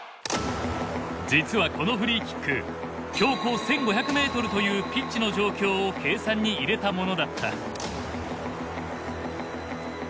実はこのフリーキック標高１，５００メートルというピッチの状況を計算に入れたものだった。